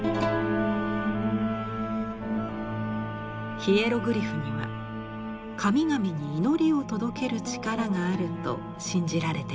ヒエログリフには神々に祈りを届ける力があると信じられていました。